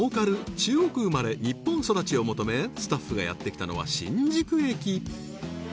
中国生まれ日本育ちを求めスタッフがやってきたのは新宿駅